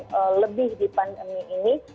yang lebih di pandemi ini